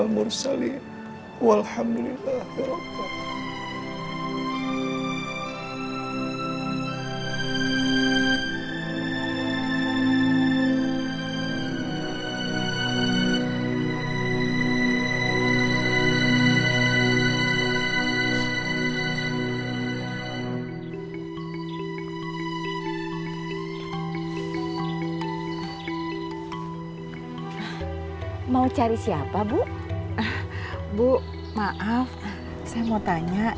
berikanlah hamba ya allah